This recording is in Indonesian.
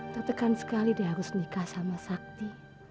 tertekan sekali dia harus nikah sama sakti